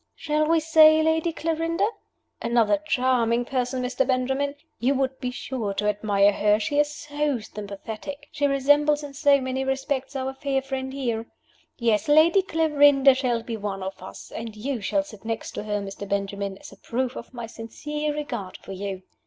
Shall we say Lady Clarinda? Another charming person, Mr. Benjamin! You would be sure to admire her she is so sympathetic, she resembles in so many respects our fair friend here. Yes, Lady Clarinda shall be one of us; and you shall sit next to her, Mr. Benjamin, as a proof of my sincere regard for you.